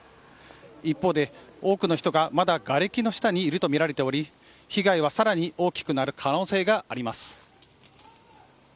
一方で、多くの人がまだがれきの下にいると見られており、被害はさらに大きくなる可能性があります。